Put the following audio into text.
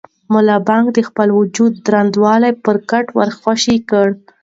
ملا بانګ د خپل وجود دروندوالی پر کټ ور خوشې کړ.